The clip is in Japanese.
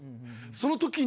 その時に。